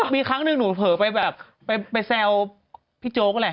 มีครั้งหนึ่งหนูเผลอไปแบบไปแซวพี่โจ๊กแหละ